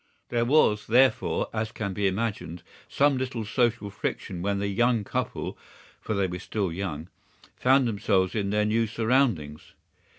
There was, therefore, as can be imagined, some little social friction when the young couple (for they were still young) found themselves in their new surroundings.